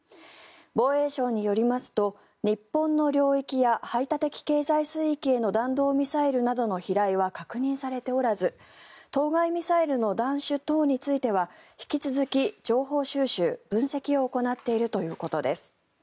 防衛省によりますと日本の領域や排他的経済水域への弾道ミサイルなどの飛来は確認されておらず当該ミサイルの弾種等については引き続き、情報収集分析を行っているということです。